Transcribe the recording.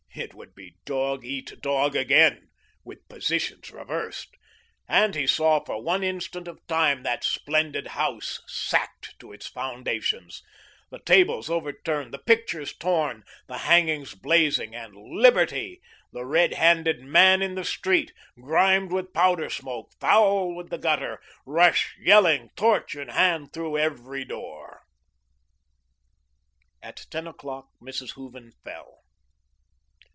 It would be "dog eat dog" again, with positions reversed, and he saw for one instant of time that splendid house sacked to its foundations, the tables overturned, the pictures torn, the hangings blazing, and Liberty, the red handed Man in the Street, grimed with powder smoke, foul with the gutter, rush yelling, torch in hand, through every door. At ten o'clock Mrs. Hooven fell.